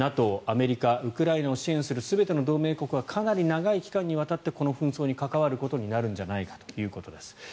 ＮＡＴＯ、アメリカウクライナを支援する全ての同盟国はかなり長い期間にわたってこの紛争に関わることになるのではということです。